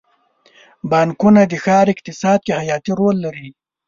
بانکونه د ښار اقتصاد کې حیاتي رول لري.